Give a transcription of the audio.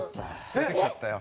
連れてきちゃったよ。